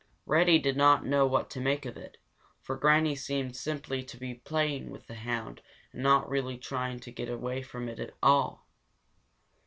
Reddy did not know what to make of it, for Granny seemed simply to be playing with the hound and not really trying to get away from him at all.